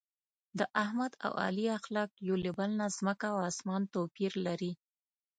د احمد او علي اخلاق یو له بل نه ځمکه او اسمان توپیر لري.